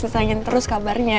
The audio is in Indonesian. disanyiin terus kabarnya